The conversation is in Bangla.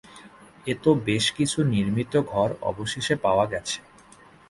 এত বেশ কিছু নির্মিত ঘর অবশেষ পাওয়া গেছে।